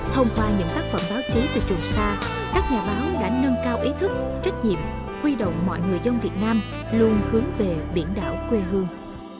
thông qua những tác phẩm báo chí từ trường xa các nhà báo đã nâng cao ý thức trách nhiệm huy động mọi người dân việt nam luôn hướng về biển đảo quê hương